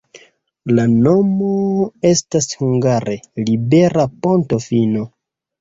La nomo estas hungare libera-ponto-fino.